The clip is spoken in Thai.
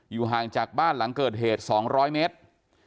อยู่ห่างจากบ้านหลังเกิดเกิดแห่ง๒๐๐เมตร